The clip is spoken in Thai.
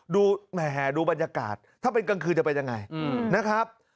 แหมดูบรรยากาศถ้าเป็นกลางคืนจะเป็นยังไงนะครับ